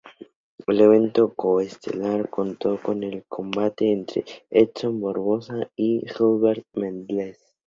El evento co-estelar contó con el combate entre Edson Barboza y Gilbert Melendez.